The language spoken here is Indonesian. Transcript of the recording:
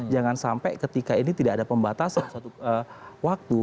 jangan sampai ketika ini tidak ada pembatasan waktu